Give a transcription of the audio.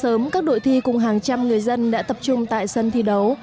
từ sáng sớm các đội thi cùng hàng trăm người dân đã tập trung tại sân thi đấu